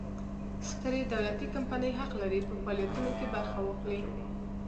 سترې دولتي کمپنۍ حق لري په فعالیتونو کې برخه واخلي.